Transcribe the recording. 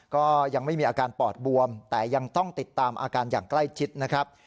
ก็ยังไม่มีอาการปอดบวมแต่ยังต้องติดตามอาการอย่างใกล้ชิดนะครับ